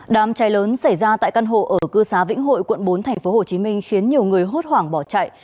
đám cháy lớn xảy ra tại căn hộ ở cư xá vĩnh hội quận bốn tp hcm khiến nhiều người hốt hoảng bỏ chạy